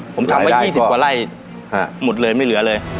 ผมถามว่า๒๐ฝ่าไร่หมดเลยไม่เหลือเลย